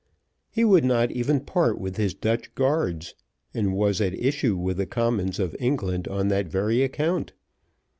He would not even part with his Dutch guards, and was at issue with the Commons of England on that very account.